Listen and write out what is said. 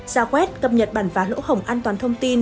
giả quét cập nhật bản phá lỗ hổng an toàn thông tin